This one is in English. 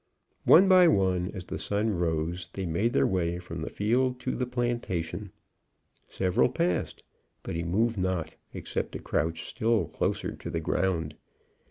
One by one, as the sun rose, they made their way from the field to the plantation. Several passed, but he moved not, except to crouch still closer to the ground.